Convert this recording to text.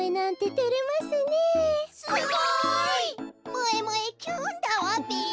もえもえキュンだわべ。